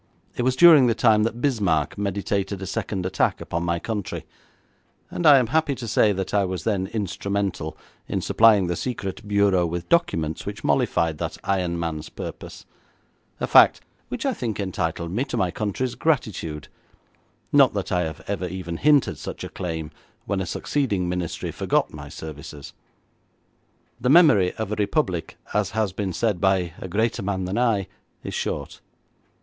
It was during the time that Bismarck meditated a second attack upon my country, and I am happy to say that I was then instrumental in supplying the Secret Bureau with documents which mollified that iron man's purpose, a fact which I think entitled me to my country's gratitude, not that I ever even hinted such a claim when a succeeding ministry forgot my services. The memory of a republic, as has been said by a greater man than I, is short.